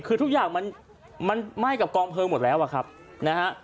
คือทุกอย่างมันไหม้กับกองเพลิงหมดแล้วอะครับนะฮะ